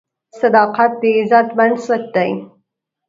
صداقت د عزت بنسټ دی.